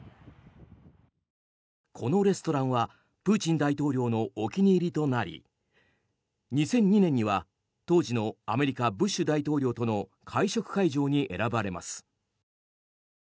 このレストランはプーチン大統領のお気に入りとなり２００２年には当時のアメリカ、ブッシュ大統領との会食会場に選ばれます。